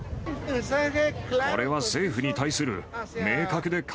これは政府に対する明確で簡